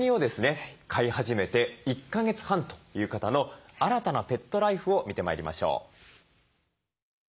飼い始めて１か月半という方の新たなペットライフを見てまいりましょう。